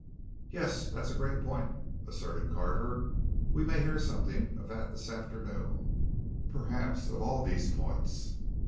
"Yes that's a great point," asserted Carver. "We may hear something of that this afternoon perhaps of all these points."